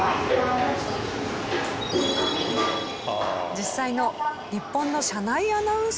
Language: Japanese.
実際の日本の車内アナウンスを使用。